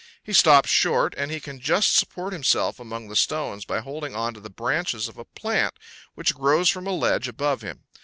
He stops short, and he can just support himself among the stones by holding on to the branches of a plant which grows from a ledge above him.